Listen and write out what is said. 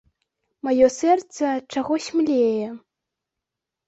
Маё сэрца чагось млее.